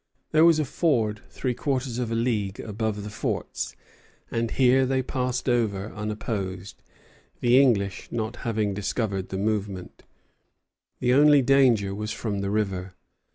There was a ford three quarters of a league above the forts; and here they passed over unopposed, the English not having discovered the movement. The only danger was from the river.